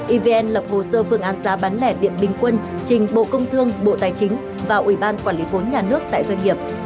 evn lập hồ sơ phương án giá bán lẻ điện bình quân trình bộ công thương bộ tài chính và ủy ban quản lý vốn nhà nước tại doanh nghiệp